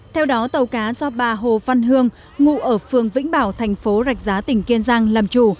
theo đó tàu cá do bà hồ văn hương ngụ ở phường vĩnh bảo thành phố rạch giá tỉnh kiên giang làm chủ